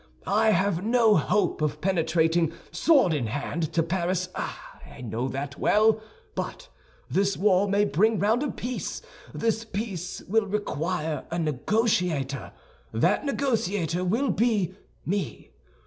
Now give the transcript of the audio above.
I have no hope of penetrating, sword in hand, to Paris, I know that well. But this war may bring round a peace; this peace will require a negotiator; that negotiator will be me.